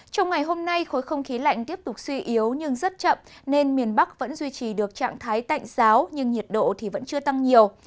trong ngày hôm nay khối không khí lạnh tiếp tục suy yếu nhưng rất chậm nên miền bắc vẫn duy trì được trạng thái tạnh giáo nhưng nhiệt độ thì vẫn chưa tăng nhiều